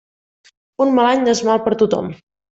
Un mal any no és mal per tothom.